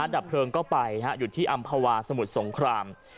ดับเพลิงก็ไปอยู่ที่อำภาวาสมุทรสงคราม